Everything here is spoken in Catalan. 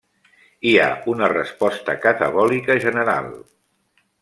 Hi ha una resposta catabòlica general.